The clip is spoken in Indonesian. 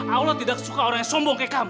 allah tidak suka orang yang sombong ke kamu